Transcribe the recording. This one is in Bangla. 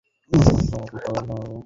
উনার মুখের এক্সপ্রেশনই বলে দেয় সবকিছু।